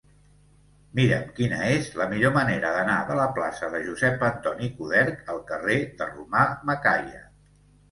Mira'm quina és la millor manera d'anar de la plaça de Josep Antoni Coderch al carrer de Romà Macaya.